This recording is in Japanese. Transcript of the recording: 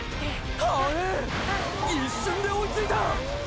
一瞬で追いついたァ！！